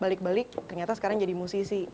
balik balik ternyata sekarang jadi musisi